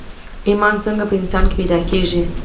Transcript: ايمان څنګه په انسان کې پيدا کېږي